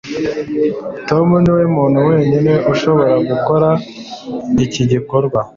tom niwe muntu wenyine ushobora gukora iki gikorwa